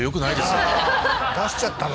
出しちゃったの？